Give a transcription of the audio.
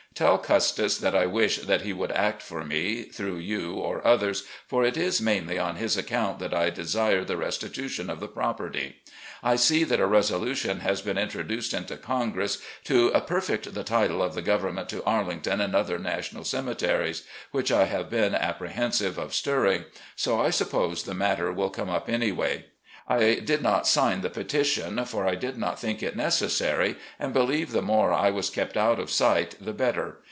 Tell Custis that I wish that he would act for me, through you or others, for it is mainly on his account that I desire the restitution of the property. I see that a resolution has been introduced into Congress 'to perfect the title of the Government to Arlington and other National Cemeteries,' which I have been appre hensive of stirring, so I suppose the matter will come up anyhow. I did not sign the petition, for I did not think it necessary, and believed the more I was kept out of sight the better.